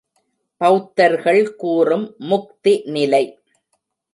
பௌத்தர்கள் கூறும் முக்தி நிலை.